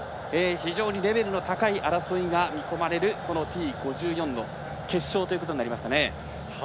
非常にレベルの高い争いが見込まれるＴ５４の決勝ということになりました。